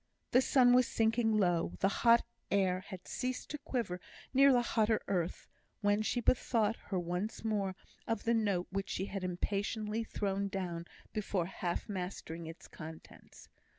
The sun was sinking low, the hot air had ceased to quiver near the hotter earth, when she bethought her once more of the note which she had impatiently thrown down before half mastering its contents.